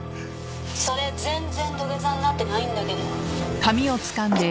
それ全然土下座になってないんだけど。